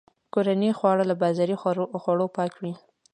کورني خواړه له بازاري خوړو پاک وي.